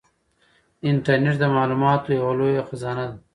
انټرنيټ د معلوماتو یوه لویه خزانه ده.